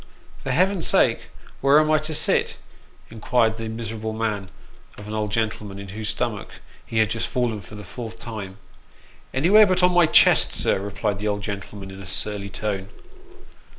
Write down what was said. " For Heaven's sake, where am I to sit ?" inquired the miserable man of an old gentleman, into whose stomach he had just fallen for the fourth time. " Anywhere but on my chest, sir," replied the old gentleman in a surly tone.